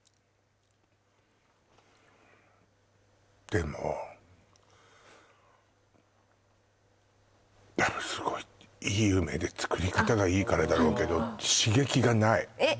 でもでもすごいいい梅で作り方がいいからだろうけどえっ？